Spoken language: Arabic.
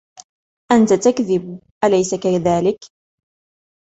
أنت تكذب، أليس كذلك؟